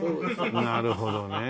なるほどね。